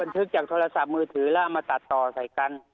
เป็นถึกจากโทรศัพท์มือถือและมาตัดต่อไส่กัน